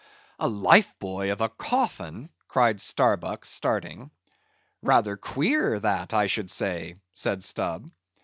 "A life buoy of a coffin!" cried Starbuck, starting. "Rather queer, that, I should say," said Stubb.